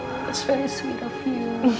itu sangat manis dari tante